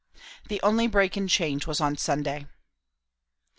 The only break and change was on Sunday.